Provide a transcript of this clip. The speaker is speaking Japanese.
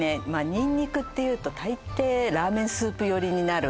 にんにくっていうと大抵ラーメンスープ寄りになる